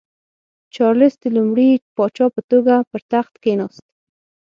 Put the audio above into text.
چارلېس د لومړي پاچا په توګه پر تخت کېناست.